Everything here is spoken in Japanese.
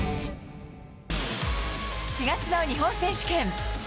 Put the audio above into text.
４月の日本選手権。